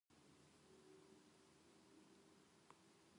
この課題だるくない？